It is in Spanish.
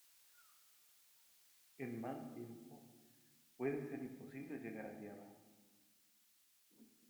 En mal tiempo puede ser imposible llegar a tierra.